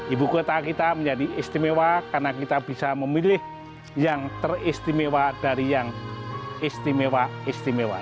ibu kota kita menjadi istimewa karena kita bisa memilih yang teristimewa dari yang istimewa istimewa